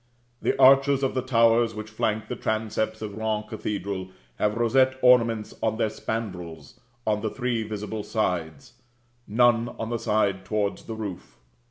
The arches of the towers which flank the transepts of Rouen Cathedral have rosette ornaments on their spandrils, on the three visible sides; none on the side towards the roof.